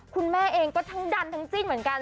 คุณแม่เองก็ทั้งดันทั้งจิ้นเหมือนกัน